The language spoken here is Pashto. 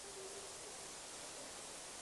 خلک باید وړتیاوې او مفکورې په کار واچوي.